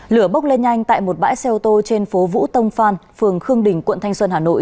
lửa bốc lên nhanh tại một bãi xe ô tô trên phố vũ tông phan phường khương đình quận thanh xuân hà nội